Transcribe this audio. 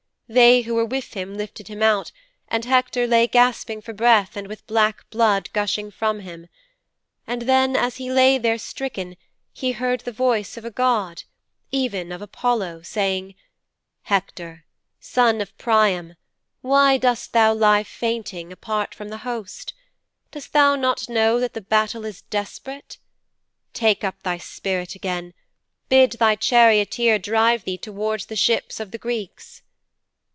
They who were with him lifted him out, and Hector lay gasping for breath and with black blood gushing from him. And then as he lay there stricken he heard the voice of a god even of Apollo saying, "Hector, son of Priam, why dost thou lie fainting, apart from the host? Dost thou not know that the battle is desperate? Take up thy spirit again. Bid thy charioteer drive thee towards the ships of the Greeks."'